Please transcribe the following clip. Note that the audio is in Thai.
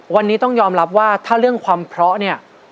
วันนี้ต้องยอมรับว่าถ้าเรื่องความเพราะเนี่ย